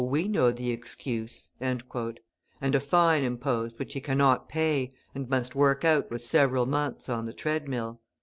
we know the excuse," and a fine imposed which he cannot pay and must work out with several months on the treadmill.